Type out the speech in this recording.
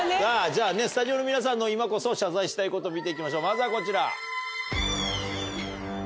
じゃあねスタジオの皆さんの今こそ謝罪したいこと見て行きましょうまずはこちら。